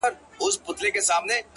ياره وس دي نه رسي ښكلي خو ســرزوري دي.!